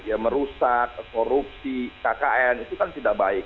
ya merusak korupsi kkn itu kan tidak baik